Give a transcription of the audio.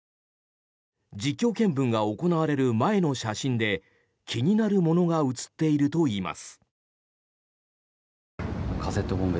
実況見分が行われる前の写真で気になるものが写っているといいます。